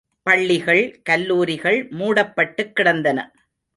பள்ளிகள், கல்லூரிகள் மூடப்பட்டுக்கிடந்தன.